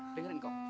dengar ini kong